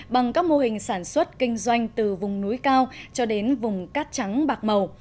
bằng các mô hình sản xuất kinh doanh từ vùng núi cao cho đến vùng cát trắng bạc màu